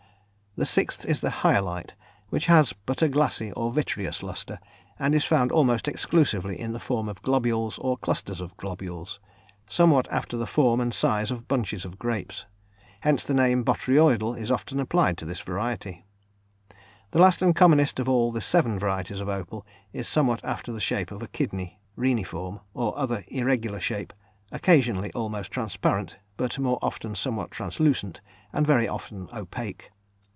The sixth is the "hyalite," which has but a glassy or vitreous lustre, and is found almost exclusively in the form of globules, or clusters of globules, somewhat after the form and size of bunches of grapes; hence the name "botryoidal" is often applied to this variety. The last and commonest of all the seven varieties of opal is somewhat after the shape of a kidney (reniform), or other irregular shape, occasionally almost transparent, but more often somewhat translucent, and very often opaque.